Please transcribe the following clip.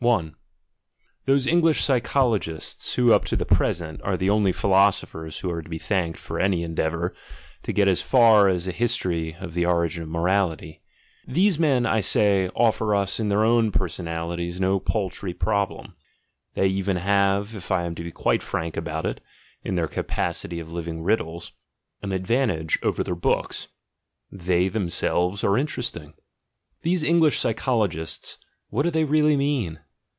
Those English psychologists, who up to the present are the only philosophers who are to be thanked for any endeavour to get as far as a history of the origin of morality — these men, I say, offer us in their own person alities no paltry problem; — they even have, if I am to be quite frank about it, in their capacity of living riddles, an advantage over their books — they themselves are interesting! These English psychologists — what do they really mean?